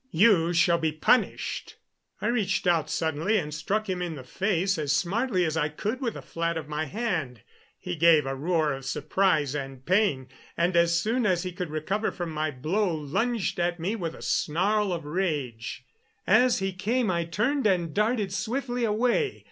"You shall be punished." I reached out suddenly and struck him in the face as smartly as I could with the flat of my hand. He gave a roar of surprise and pain, and as soon as he could recover from my blow lunged at me with a snarl of rage. As he came I turned and darted swiftly away.